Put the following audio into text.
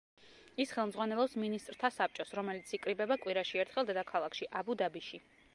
ის ხელმძღვანელობს მინისტრთა საბჭოს, რომელიც იკრიბება კვირაში ერთხელ დედაქალაქში, აბუ-დაბიში.